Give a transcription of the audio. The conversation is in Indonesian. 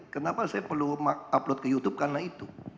kenapa saya perlu upload ke youtube karena itu